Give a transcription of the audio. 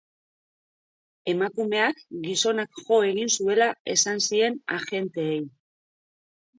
Emakumeak gizonak jo egin zuela esan zien agenteei.